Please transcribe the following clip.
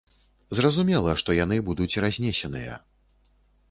Зразумела, што яны будуць разнесеныя.